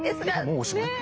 もうおしまい？